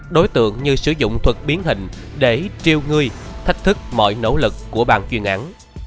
đối tượng như sử dụng thuật biến hình để triêu ngươi thách thức mọi nỗ lực của bang chuyên án